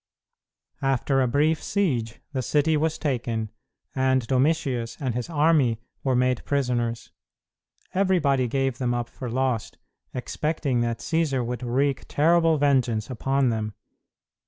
After a brief siege the city was taken, and Domitius and his army were made prisoners. Everybody gave them up for lost, expecting that Cćsar would wreak terrible vengeance upon them.